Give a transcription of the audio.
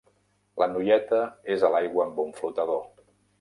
La noieta és a l'aigua amb un flotador.